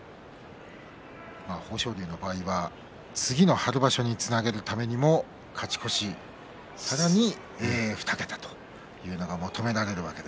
豊昇龍の場合は次の春場所につなげるためにも勝ち越し、さらに２桁と求められます。